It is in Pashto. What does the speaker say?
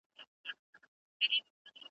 دا اجمل اجمل نسلونه `